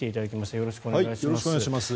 よろしくお願いします。